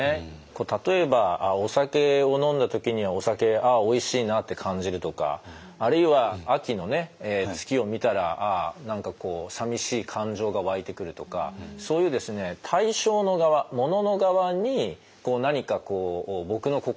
例えばお酒を飲んだ時にはお酒ああおいしいなって感じるとかあるいは秋の月を見たらああ何かこうさみしい感情が湧いてくるとかそういうですねなるほど。